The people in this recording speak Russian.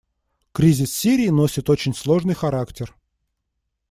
Кризис в Сирии носит очень сложный характер.